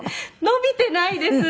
伸びてないです。